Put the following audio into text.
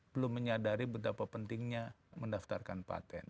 belum menyadari betapa pentingnya mendaftarkan patent